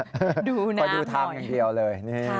ไปดูทางอย่างเดียวเลย